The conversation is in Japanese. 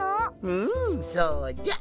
うんそうじゃ。